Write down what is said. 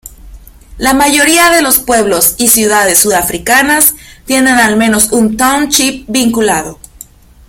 La mayoría de los pueblos y ciudades sudafricanas tienen al menos un township vinculado.